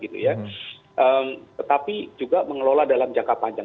tetapi juga mengelola dalam jangka panjang